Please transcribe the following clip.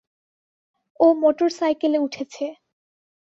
ও মোটরসাইকেলে উঠেছে।